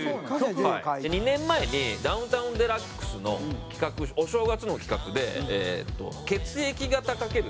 ２年前に『ダウンタウンＤＸ』の企画お正月の企画で血液型掛ける